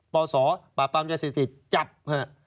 ปศปราบปรามยาเสพติดจับเถอะ